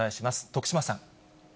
徳島さん。